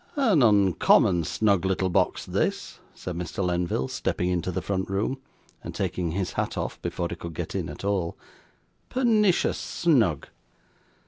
'An uncommon snug little box this,' said Mr. Lenville, stepping into the front room, and taking his hat off, before he could get in at all. 'Pernicious snug.